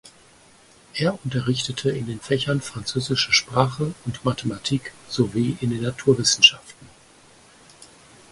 Er unterrichtete in den Fächern französische Sprache und Mathematik sowie in den Naturwissenschaften.